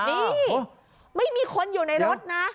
นี่ไม่มีคนอยู่ในรถนะ